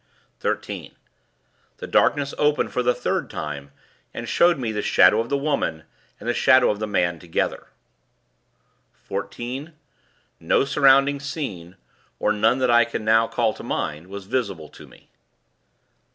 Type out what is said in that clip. "13. The darkness opened for the third time, and showed me the Shadow of the Woman and the Shadow of the Man together. "14. No surrounding scene (or none that I can now call to mind) was visible to me.